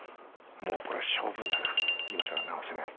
もうこれは性分だな今更直せない。